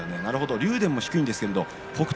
竜電は低いんですが北勝